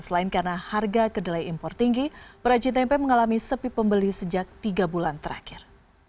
selain karena harga kedelai impor tinggi perajin tempe mengalami sepi pembeli sejak tiga bulan terakhir